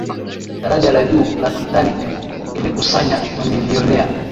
daraja la juu la titanic lilikusanya mamilionea